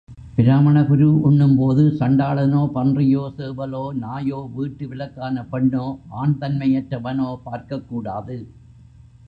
பிராமண குரு உண்ணும்போது சண்டாளனோ, பன்றியோ, சேவலோ, நாயோ வீட்டு விலக்கான பெண்ணோ, ஆண் தன்மையற்றவனோ பார்க்கக் கூடாது.